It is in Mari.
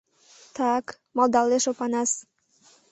— Так... — малдалеш Опанас.